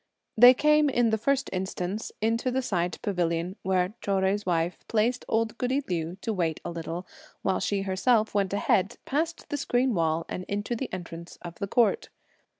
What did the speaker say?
They came in the first instance into the side pavilion, where Chou Jui's wife placed old goody Liu to wait a little, while she herself went ahead, past the screen wall and into the entrance of the court.